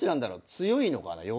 弱いのかな？